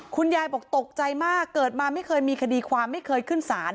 คุณยายบอกตกใจมากเกิดมาไม่เคยมีคดีความไม่เคยขึ้นศาล